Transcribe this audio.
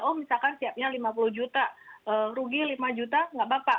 oh misalkan siapnya lima puluh juta rugi lima juta nggak apa apa